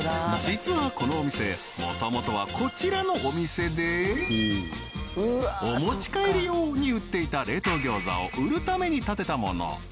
もともとはこちらのお店でお持ち帰り用に売っていた冷凍餃子を売るために建てたもの